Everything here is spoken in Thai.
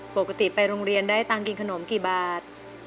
ปกติไปโรงเรียนได้ตังค์กินขนมกี่บาท